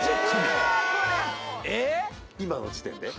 今の時点で？